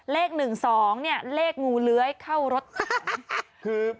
เลข๑๒เลขงูเล้ยเข้ารถทาง